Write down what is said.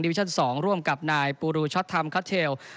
ดิวิชัน๒ร่วมกับนายปูรูชัตตำคัทเทล